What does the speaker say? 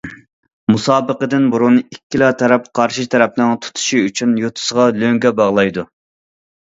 مۇسابىقىدىن بۇرۇن، ئىككىلا تەرەپ قارشى تەرەپنىڭ تۇتۇشى ئۈچۈن يوتىسىغا لۆڭگە باغلايدۇ.